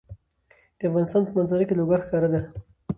د افغانستان په منظره کې لوگر ښکاره ده.